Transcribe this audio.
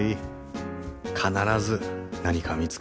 必ず何か見つかるから。